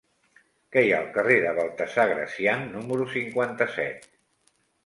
Què hi ha al carrer de Baltasar Gracián número cinquanta-set?